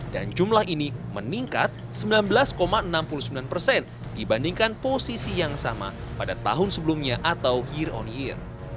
dan jumlah ini meningkat sembilan belas enam puluh sembilan persen dibandingkan posisi yang sama pada tahun sebelumnya atau year on year